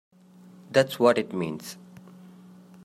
That's what it means!